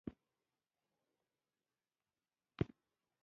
ژوندي طبیعت ته درناوی لري